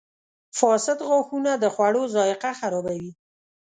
• فاسد غاښونه د خوړو ذایقه خرابوي.